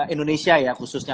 indonesia ya khususnya